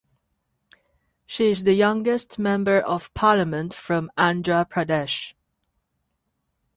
She is the youngest member of parliament from Andhra Pradesh.